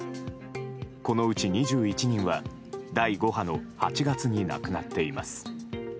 このうち２１人は第５波の８月に亡くなっています。